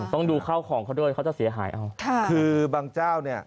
ต้องดูข้าวของเขาด้วยเขาจะเสียหายเอาค่ะคือบางเจ้าเนี่ย